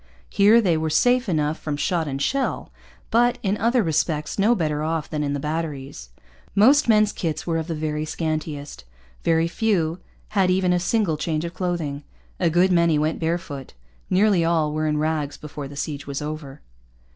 Here they were safe enough from shot and shell; but, in other respects, no better off than in the batteries. Most men's kits were of the very scantiest. Very few had even a single change of clothing. A good many went bare foot. Nearly all were in rags before the siege was over.